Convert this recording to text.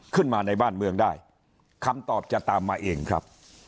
ขึ้นมาในบ้านเมืองได้คำตอบจะตามมาเองครับ